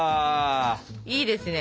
いいですね。